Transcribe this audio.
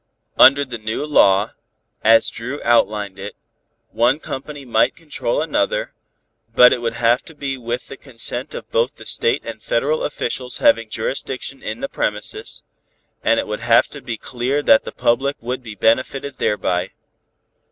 Under the new law, as Dru outlined it, one company might control another, but it would have to be with the consent of both the state and federal officials having jurisdiction in the premises, and it would have to be clear that the public would be benefited thereby.